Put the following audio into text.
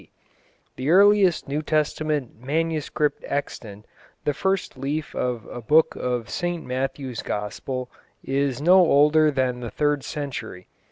D. The earliest New Testament manuscript extant, the first leaf of a book of St Matthew's Gospel, is also no older than the third century.